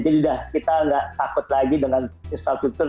jadi kita nggak takut lagi dengan infrastruktur